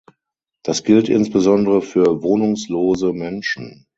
Das gilt insbesondere für Wohnungslose Menschen.